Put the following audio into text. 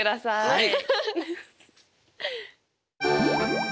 はい。